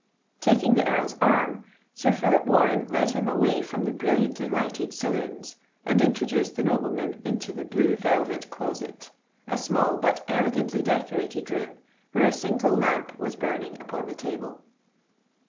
Taking the Earl's arm, Sir Phillip Warren led him away from the brilliantly lighted saloons, and introduced the nobleman into the Blue Velvet Closet—a small but elegantly decorated room, where a single lamp was burning upon the table.